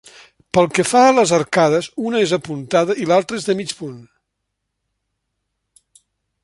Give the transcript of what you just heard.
Pel que fa a les arcades una és apuntada i l'altra és de mig punt.